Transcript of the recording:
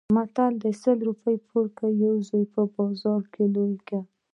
متل دی: سل روپۍ پور کړه یو زوی په بازار لوی کړه.